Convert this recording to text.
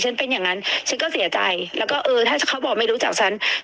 เป็นอย่างนั้นฉันก็เสียใจแล้วก็เออถ้าเขาบอกไม่รู้จักฉัน